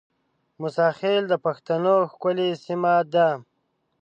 موساخېل د بښتنو ښکلې سیمه ده